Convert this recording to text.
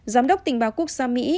giám đốc tình báo quốc gia mỹ